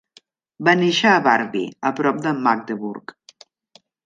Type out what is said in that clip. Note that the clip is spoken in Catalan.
Va néixer a Barby, a prop de Magdeburg.